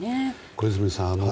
小泉さん